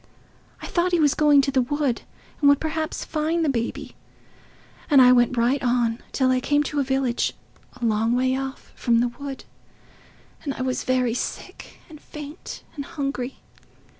I thought he was going to the wood and would perhaps find the baby. And I went right on, till I came to a village, a long way off from the wood, and I was very sick, and faint, and hungry.